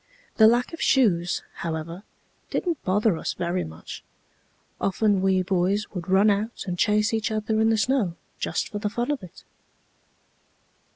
The lack of shoes, however, didn't bother us very much. Often we boys would run out and chase each other in the snow just for the fun of it.